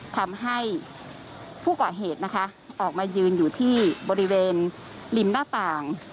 ทำให้ผู้ก่อเหตุนะคะออกมายืนอยู่ที่บริเวณริมหน้าต่าง